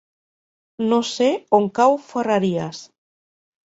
No sé on cau Ferreries.